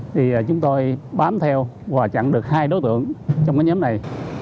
thì chúng tôi bám theo và chặn được hai đối tượng trong cái nhóm này